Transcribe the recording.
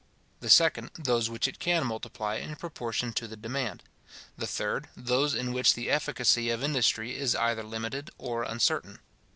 The second, those which it can multiply in proportion to the demand. The third, those in which the efficacy of industry is either limited or uncertain.